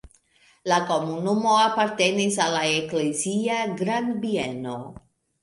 La komunumo apartenis al la eklezia grandbieno.